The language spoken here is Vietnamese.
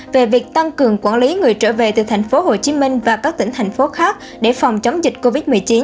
về việc tăng cường quản lý người trở về từ tp hcm và các tỉnh thành phố khác để phòng chống dịch covid một mươi chín